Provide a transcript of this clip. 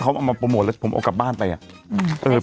เอามาโปรโมทแล้วผมออกกลับบ้านไปอ่ะอืม